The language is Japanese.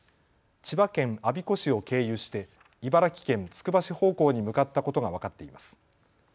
千葉県我孫子市を経由して茨城県つくば市方向に向かったことが分かっています。